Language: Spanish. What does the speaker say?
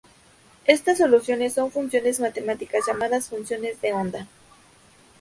Estas soluciones son funciones matemáticas llamadas funciones de onda.